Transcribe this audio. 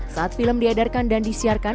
saat film diedarkan dan disiarkan